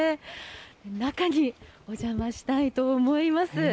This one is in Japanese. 中にお邪魔したいと思います。